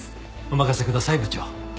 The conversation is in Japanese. お任せください部長。